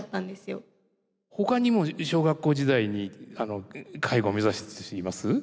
ほかにも小学校時代に介護を目指した人います？